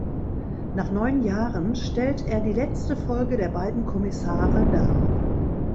Nach neun Jahren stellt er die letzte Folge der beiden Kommissare dar.